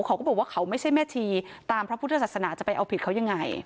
เขาก็บอกว่าเขาไม่ใช่แม่ชีตามพระพุทธศาสนาจะไปเอาผิดเขายังไง